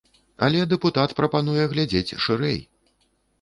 Але дэпутат прапануе глядзець шырэй.